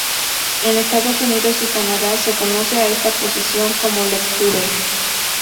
En Estados Unidos y Canadá se conoce a esta posición como "lecturer".